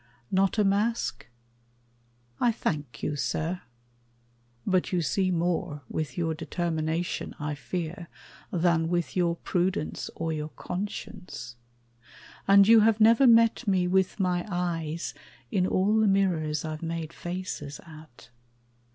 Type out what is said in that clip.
Not a mask? I thank you, sir, But you see more with your determination, I fear, than with your prudence or your conscience; And you have never met me with my eyes In all the mirrors I've made faces at.